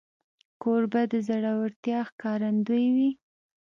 کوربه د زړورتیا ښکارندوی وي.